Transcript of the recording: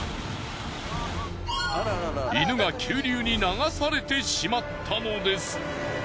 犬が急流に流されてしまったのです。